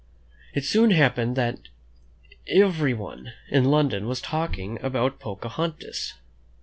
It soon happened that everyone in London was talking about Pocahontas.